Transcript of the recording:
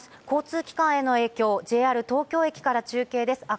交通機関への影響、ＪＲ東京駅から中継です。